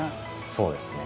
そうですね。